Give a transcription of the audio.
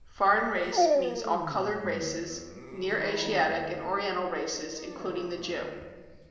Foreign race means all coloured races, near Asiatic and oriental races including the Jew.